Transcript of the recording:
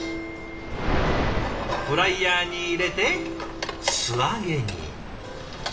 フライヤーに入れて素揚げに。